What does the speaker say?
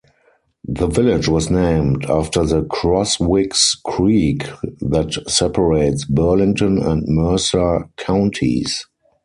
The village was named after the Crosswicks Creek that separates Burlington and Mercer counties.